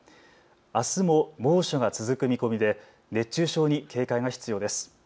あすも猛暑が続く見込みで熱中症に警戒が必要です。